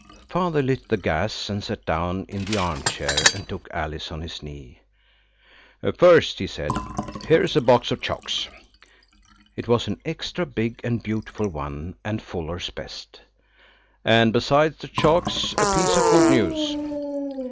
Father lit the gas, and sat down in the armchair and took Alice on his knee. "First," he said, "here is a box of chocs." It was an extra big and beautiful one and Fuller's best. "And besides the chocs., a piece of good news!